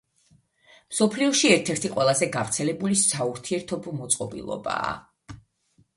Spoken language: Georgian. მსოფლიოში ერთ-ერთი ყველაზე გავრცელებული საურთიერთობო მოწყობილობაა.